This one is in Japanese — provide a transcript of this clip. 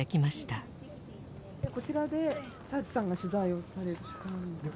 こちらで澤地さんが取材をされたんですか？